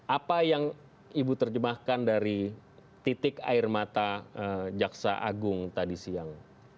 apa yang ibu terjemahkan dari titik air mata jaksa agung tadi siang